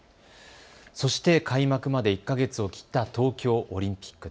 そして開幕まで１か月を切った東京オリンピック。